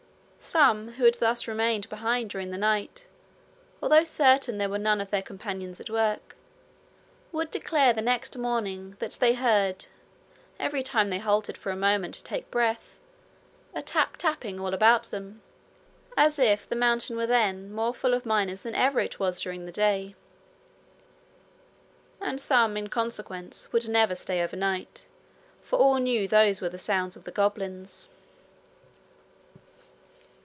Some who had thus remained behind during the night, although certain there were none of their companions at work, would declare the next morning that they heard, every time they halted for a moment to take breath, a tap tapping all about them, as if the mountain were then more full of miners than ever it was during the day; and some in consequence would never stay overnight, for all knew those were the sounds of the goblins.